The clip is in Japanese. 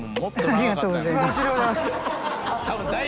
ありがとうございます。